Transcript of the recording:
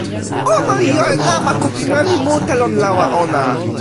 ona li jo e namako pi mani mute lon lawa ona.